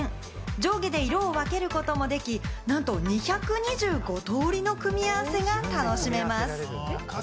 上下で色を分けることもでき、なんと２２５通りの組み合わせが楽しめます。